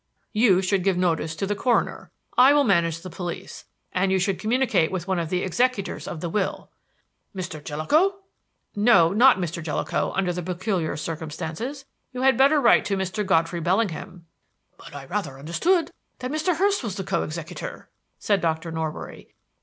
"You should give notice to the coroner I will manage the police and you should communicate with one of the executors of the will." "Mr. Jellicoe?" "No, not Mr. Jellicoe, under the peculiar circumstances. You had better write to Mr. Godfrey Bellingham." "But I rather understood that Mr. Hurst was the co executor," said Dr. Norbury.